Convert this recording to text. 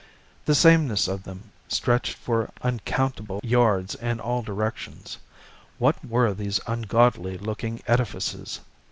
The sameness of them stretched for uncountable yards in all directions. What were these ungodly looking edifices?